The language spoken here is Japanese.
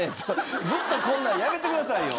ずっとこんなんやめてくださいよ。